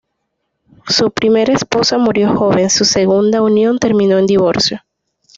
Su primera esposa murió joven; su segunda unión terminó en divorcio.